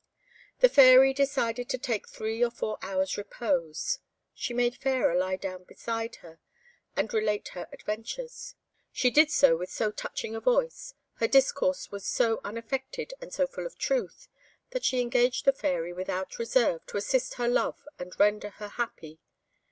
The Fairy desired to take three or four hours' repose. She made Fairer lie down beside her, and relate her adventures. She did so with so touching a voice, her discourse was so unaffected and so full of truth, that she engaged the Fairy without reserve to assist her love and render her happy.